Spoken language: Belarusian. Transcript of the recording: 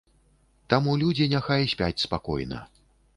Таму людзі няхай спяць спакойна.